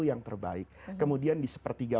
yang terbaik kemudian di sepertiga